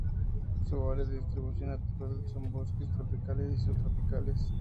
Su área de distribución natural son bosques tropicales o subtropicales.